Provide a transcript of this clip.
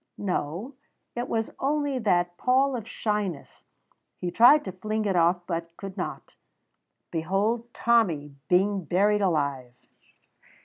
No, it was only that pall of shyness; he tried to fling it off, but could not. Behold Tommy being buried alive!